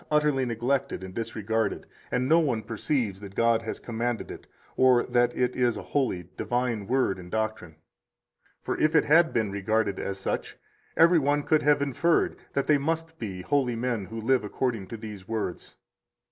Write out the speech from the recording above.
utterly neglected and disregarded, and no one perceives that God has commanded it, or that it is a holy, divine Word and doctrine. For if it had been regarded as such, every one could have inferred that they must be holy men who live according to these words.